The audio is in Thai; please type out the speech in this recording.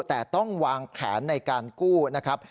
แต่ต้องวางแผนในการกู้นะครับ